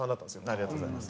ありがとうございます。